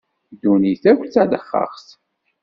Ddunit akk d talexxaxt.